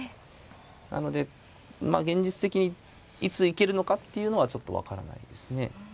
なので現実的にいつ行けるのかっていうのはちょっと分からないですね。